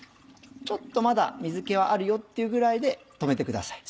ちょっとまだ水気はあるよっていうぐらいで止めてください。